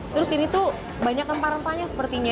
terus ini tuh banyak rempah rempahnya sepertinya